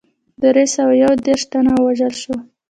دری سوه یو دېرش تنه وژل شوي.